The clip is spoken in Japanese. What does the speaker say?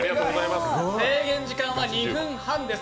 制限時間は２分半です。